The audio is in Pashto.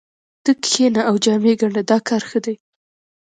ته کښېنه او جامې ګنډه دا کار ښه دی